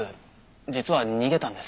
実は逃げたんです。